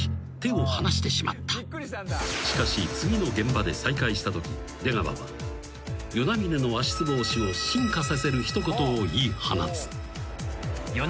［しかし次の現場で再会したとき出川は與那嶺の足つぼ押しを進化させる一言を言い放つ］